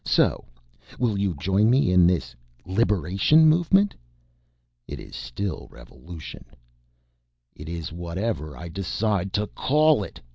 So will you join me in this Liberation Movement?" "It is still revolution." "It is whatever I decide to call it!"